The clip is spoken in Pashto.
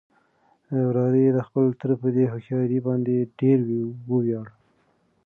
وراره يې د خپل تره په دې هوښيارۍ باندې ډېر ووياړل.